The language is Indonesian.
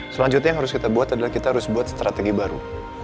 selanjutnya yang harus kita buat adalah kita harus buat strategi baru